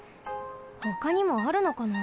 ほかにもあるのかな？